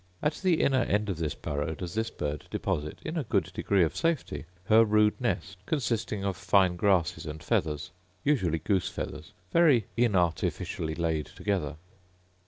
At the inner end of this burrow does this bird deposit, in a good degree of safety, her rude nest, consisting of fine grasses and feathers, usually goose feathers, very inartificially laid together.